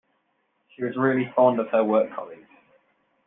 She was really fond of her work colleagues.